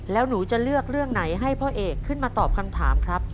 แล้วหนูจะเลือกเรื่องไหนให้พ่อเอกขึ้นมาตอบคำถามครับ